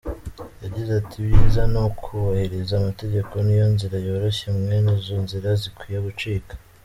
Yagize ati “Ibyiza ni ukubahiriza amategeko niyo nzira yoroshye mwene izo nzira zikwiye gucika.